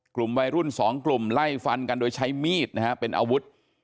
กลุ่มวัยรุ่นสองกลุ่มไล่ฟันกันโดยใช้มีดนะฮะเป็นอาวุธ